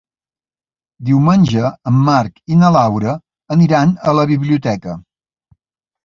Diumenge en Marc i na Laura aniran a la biblioteca.